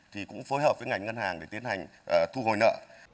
thì cũng phối hợp với ngành ngân hàng để tiến hành thu hồi nợ